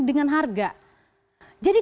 dengan harga jadi